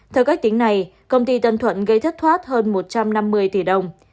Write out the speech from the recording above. theo cách tính này công ty tân thuận gây thất thoát hơn một trăm năm mươi tỷ đồng